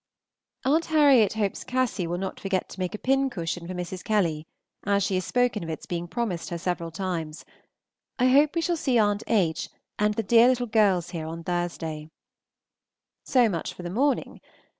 Aunt Harriet hopes Cassy will not forget to make a pincushion for Mrs. Kelly, as she has spoken of its being promised her several times. I hope we shall see Aunt H. and the dear little girls here on Thursday. So much for the morning.